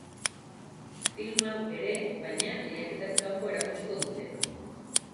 Film hau ere, baina, lehiaketatik kanpo erakutsiko dute.